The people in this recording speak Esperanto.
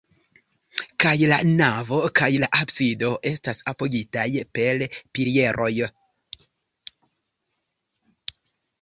Kaj la navo kaj la absido estas apogitaj per pilieroj.